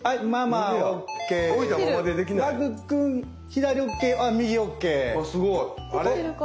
あれ？